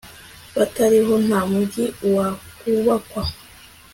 batariho, nta mugi wakubakwa